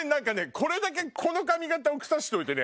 これだけこの髪形をくさしといてね。